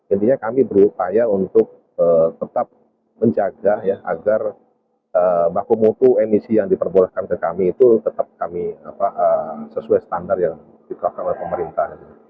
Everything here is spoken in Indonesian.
intinya kami berupaya untuk tetap menjaga ya agar baku mutu emisi yang diperbolehkan ke kami itu tetap kami sesuai standar yang ditetapkan oleh pemerintah